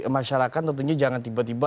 masyarakat tentunya jangan tiba tiba